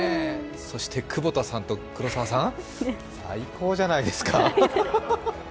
そして窪田さんと黒澤さん、最高じゃないですか。